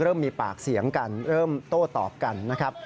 เริ่มมีปากเสียงกันเริ่มโต้ตอบกันนะครับ